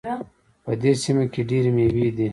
په دې سیمه کې ډېري میوې دي